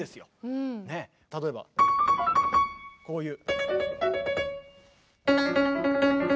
例えばこういう。